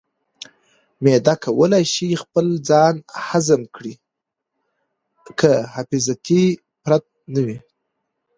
معده کولی شي خپل ځان هضم کړي که محافظتي پرت نه وي.